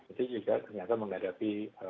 itu juga ternyata menghadapi